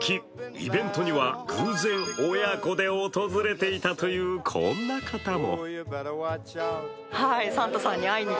イベントには偶然親子で訪れていたという、こんな方も。